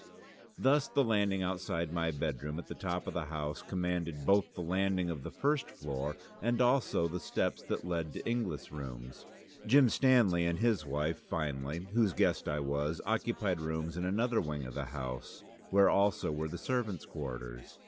Thus the landing outside my bedroom at the top of the house commanded both the landing of the first floor and also the steps that led to Inglis' rooms. Jim Stanley and his wife, finally (whose guest I was), occupied rooms in another wing of the house, where also were the servants' quarters.